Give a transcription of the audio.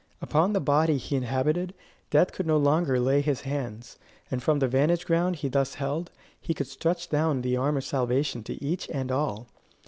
Upon the body he inhabited, death could no longer lay his hands, and from the vantage ground he thus held, he could stretch down the arm of salvation to each and all.